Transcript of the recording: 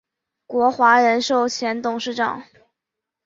国华人寿前董事长。